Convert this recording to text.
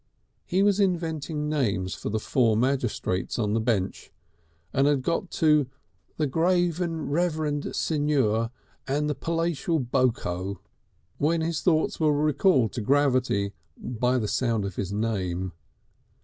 He was inventing names for the four magistrates on the bench, and had got to "the Grave and Reverend Signor with the palatial Boko," when his thoughts were recalled to gravity by the sound of his name.